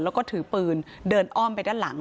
แล้วก็ถือปืนเดินอ้อมไปด้านหลัง